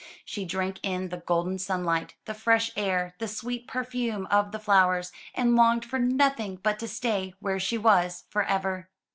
She drank in the golden sunlight, the fresh air, the sweet perfume of the flowers, and longed for nothing but to stay where she was forever.